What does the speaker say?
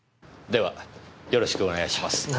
ではよろしくお願いします。